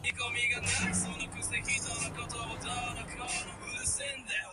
出店